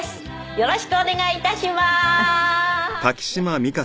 よろしくお願いします。